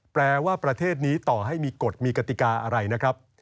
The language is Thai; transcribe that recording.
แปลว่าประเทศนี้ต่อให้มีกฎมีกติกาอะไรนะครับ